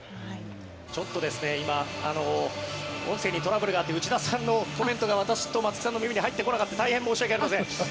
ちょっと今、音声にトラブルがあって内田さんのコメントが私と松木さんの耳に入ってこなくて大変申し訳ありません。